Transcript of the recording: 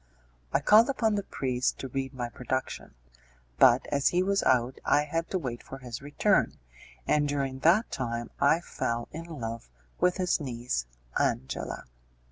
I called upon the priest to read my production; but as he was out I had to wait for his return, and during that time I fell in love with his niece, Angela.